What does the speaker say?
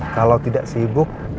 kalau tidak sibuk